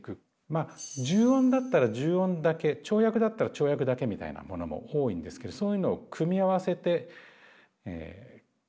まあ重音だったら重音だけ跳躍だったら跳躍だけみたいなものも多いんですけどそういうのを組み合わせて。